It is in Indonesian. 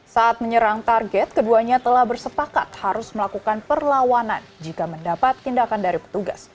saat menyerang target keduanya telah bersepakat harus melakukan perlawanan jika mendapat tindakan dari petugas